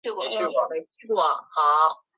水碓斗母宫里的中国式道教庙观。